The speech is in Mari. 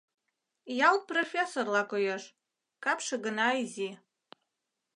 Ялт профессорла коеш, капше гына изи.